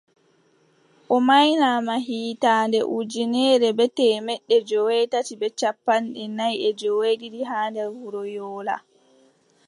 O maynaama hitaande ujineere bee temeɗɗe joweetati bee cappanɗe nay e joweeɗiɗi haa nder wuro Ƴoola.